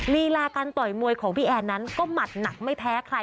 ลีลาการต่อยมวยของพี่แอนนั้นก็หมัดหนักไม่แพ้ใคร